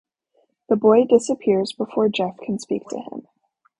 The boy disappears before Jeff can speak to him.